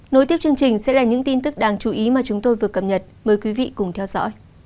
nối tiếp chương trình sẽ là những tin tức đáng chú ý mà chúng tôi vừa cập nhật mời quý vị cùng theo dõi